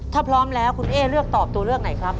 ถ้าพร้อมแล้วคุณเอ๊เลือกตอบตัวเลือกไหนครับ